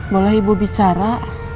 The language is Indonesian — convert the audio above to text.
boleh ibu bicara